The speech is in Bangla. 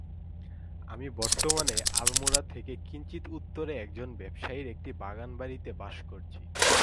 আমি বর্তমানে আলমোড়া থেকে কিঞ্চিৎ উত্তরে একজন ব্যবসায়ীর একটি বাগান- বাড়ীতে বাস করছি।